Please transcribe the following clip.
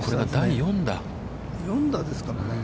４打ですからね。